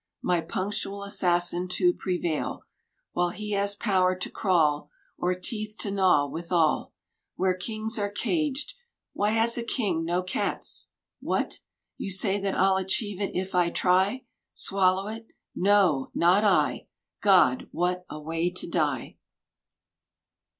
My punctual assassin, to prevail — While he has power to crawl, Or teeth to gnaw withal — Where kings are caged. Why has a king no cats ? What I— You say that I'll achieve it if I try? Swallow it? — ^No, not I ... God, what a way to die!